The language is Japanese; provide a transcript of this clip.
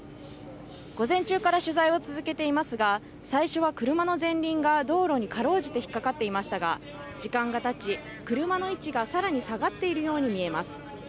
午前中から取材を続けていますが、最初は車の前輪が道路に辛うじて引っかかっていましたが、時間がたち、車の位置が更に下がっているようにみえます。